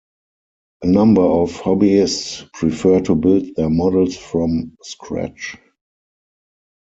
A number of hobbyists prefer to build their models from scratch.